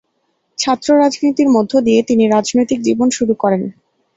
ছাত্র রাজনীতির মধ্য দিয়ে তিনি রাজনৈতিক জীবন শুরু করেন।